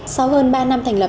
sau hơn ba năm thành lập